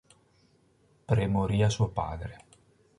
Premorì a suo padre.